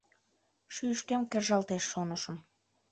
— Шӱйышкем кержалтеш, шонышым.